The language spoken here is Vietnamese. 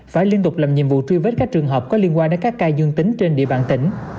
phải liên tục làm nhiệm vụ truy vết các trường hợp có liên quan đến các ca dương tính trên địa bàn tỉnh